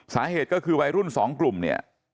สาเหตุก็คือวัยรุ่นสองกลุ่มเนี่ย